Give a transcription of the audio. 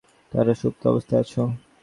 তারা সুপ্ত অবস্থায় আছ।